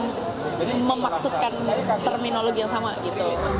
memaksudkan terminologi yang sama gitu